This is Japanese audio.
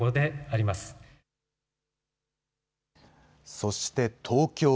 そして東京。